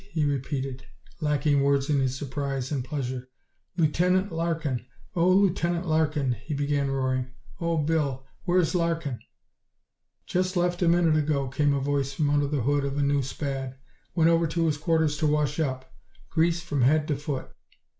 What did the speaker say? he repeated, lacking words in his surprise and pleasure. "Lieutenant Larkin! Oh, Lieutenant Larkin!" he began roaring. "Oh, Bill! Where's Larkin?" "Just left a minute ago," came a voice from under the hood of a new Spad. "Went over to his quarters to wash up. Grease from head to foot."